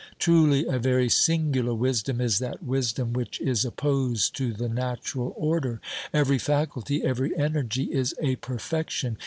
Truly a very singular wisdom is that wis dom which is opposed to the natural order. Every faculty, every energy is a perfection.